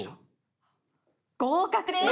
合格です。